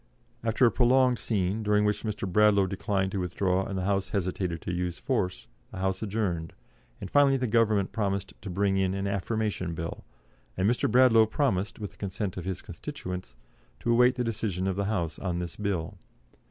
After a prolonged scene, during which Mr. Bradlaugh declined to withdraw and the House hesitated to use force, the House adjourned, and finally the Government promised to bring in an Affirmation Bill, and Mr. Bradlaugh promised, with the consent of his constituents, to await the decision of the House on this Bill.